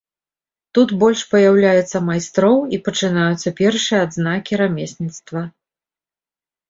Тут больш паяўляецца майстроў і пачынаюцца першыя адзнакі рамесніцтва.